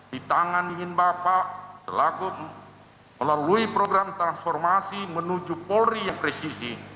di tangan ingin bapak selaku melalui program transformasi menuju polri yang presisi